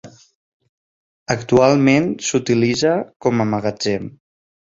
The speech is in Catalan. Actualment s'utilitza com a magatzem.